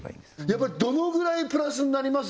やっぱりどのぐらいプラスになります？